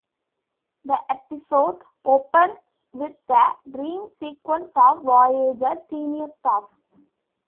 The episode opens with the dream sequences of "Voyager" senior staff.